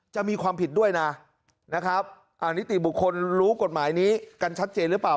จะมีความผิดด้วยนะนะครับนิติบุคคลรู้กฎหมายนี้กันชัดเจนหรือเปล่า